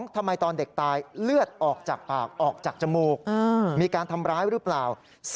ทำไมตอนเด็กตายเลือดออกจากปากออกจากจมูกมีการทำร้ายหรือเปล่า